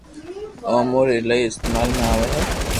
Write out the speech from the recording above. او اموري ايلائي استعمال ۾ آوي ھي